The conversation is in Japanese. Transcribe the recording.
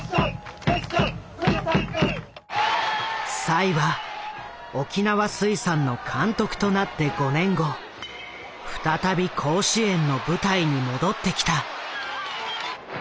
栽は沖縄水産の監督となって５年後再び甲子園の舞台に戻ってきた。